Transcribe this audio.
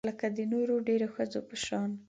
لکه د نورو ډیرو ښځو په شان